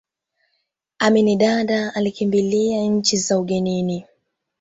amin dadaa alikimbilia nchi za ugenini